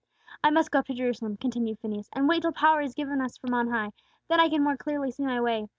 "I must go up to Jerusalem," continued Phineas, "and wait till power is given us from on high; then I can more clearly see my way.